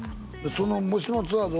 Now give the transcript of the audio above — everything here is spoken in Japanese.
その「もしもツアーズ」